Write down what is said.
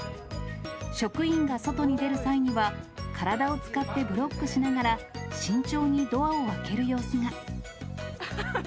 職員が外に出る際には、体を使ってブロックしながら、慎重にドアを開ける様子が。